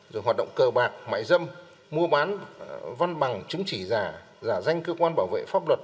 rồi hoạt động cờ bạc mại dâm mua bán văn bằng chứng chỉ giả giả danh cơ quan bảo vệ pháp luật